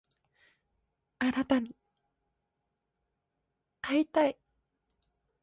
あなたに会いたい